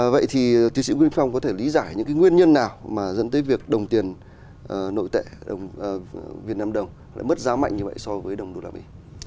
vậy thì tiến sĩ nguyễn minh phong có thể lý giải những nguyên nhân nào mà dẫn tới việc đồng tiền nội tệ việt nam đồng mất giá mạnh như vậy so với đồng đô la mỹ